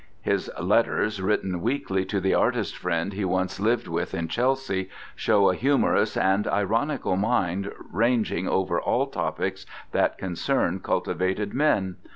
His letters written weekly to the artist friend he once lived with in Chelsea show a humorous and ironical mind ranging over all topics that concern cultivated men.